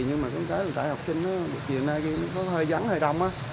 nhưng mà có một cái là tại học sinh chiều nay có hơi giắng hơi đông